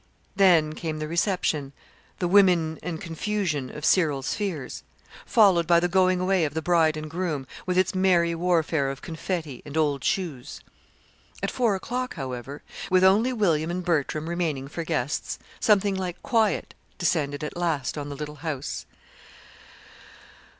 Then came the reception the "women and confusion" of Cyril's fears followed by the going away of the bride and groom with its merry warfare of confetti and old shoes. At four o'clock, however, with only William and Bertram remaining for guests, something like quiet descended at last on the little house.